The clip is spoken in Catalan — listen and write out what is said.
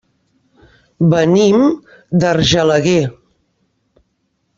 Venim d'Argelaguer.